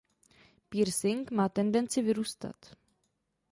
Piercing má tendenci vyrůstat.